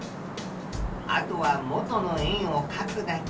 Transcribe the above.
あとは元の円をかくだけ。